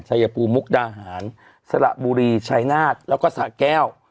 ชายภูมิมุกดาหารสระบุรีชายนาฏแล้วก็สะแก้ว